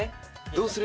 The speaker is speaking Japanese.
どうする？